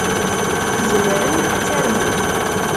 Tzemrem ad tarmem?